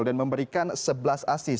dan memberikan sebelas asis